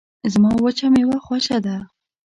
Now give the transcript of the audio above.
زما وچه میوه خوشه ده